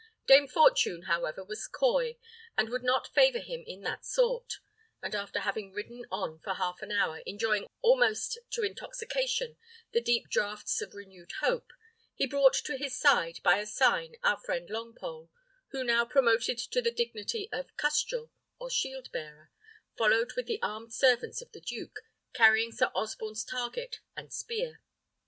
Dame Fortune, however, was coy, and would not favour him in that sort; and after having ridden on for half an hour, enjoying almost to intoxication the deep draughts of renewed hope, he brought to his side, by a sign, our friend Longpole, who, now promoted to the dignity of custrel, or shield bearer, followed with the armed servants of the duke, carrying Sir Osborne's target and spear.